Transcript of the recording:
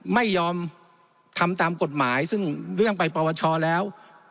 ไม่ยอมทำตามกฎหมายซึ่งเรื่องไปปวชแล้ว